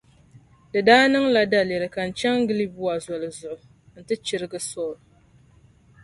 Di daa niŋla daliri ka n chaŋ Gilibɔa Zoli zuɣu nti chirigi Saul.